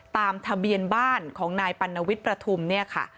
ตามทะเบียนบ้านของนายปัณวิทย์ประทุมเนี่ยค่ะ